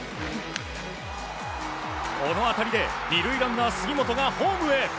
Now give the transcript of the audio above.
この当たりで２塁ランナー杉本がホームへ。